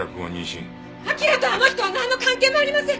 アキラとあの人はなんの関係もありません！